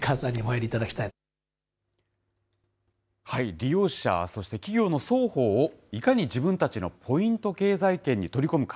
利用者、そして企業の双方を、いかに自分たちのポイント経済圏に取り込むか。